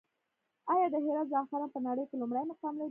آیا د هرات زعفران په نړۍ کې لومړی مقام لري؟